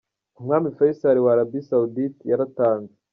Umwami Faisal wa Arabia Saudite yaratanze.